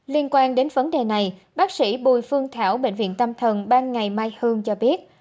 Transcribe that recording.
liên quan đến vấn đề này bác sĩ bùi phương thảo bệnh viện tâm thần ban ngày mai hương cho biết